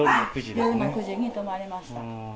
夜の９時に止まりました。